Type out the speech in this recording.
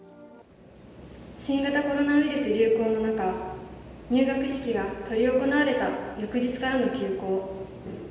新型コロナウイルス流行の中、入学式が執り行われた翌日からの休校。